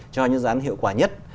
cho những dự án hiệu quả nhất